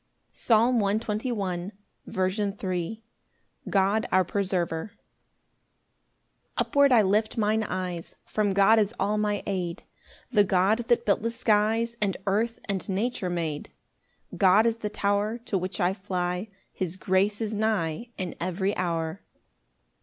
Psalm 121:3. As the 148th Psalm. God our preserver. 1 Upward I lift mine eyes, From God is all my aid; The God that built the skies, And earth and nature made: God is the tow'r To which I fly: His grace is nigh In every hour.